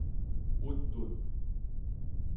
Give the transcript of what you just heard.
膃肭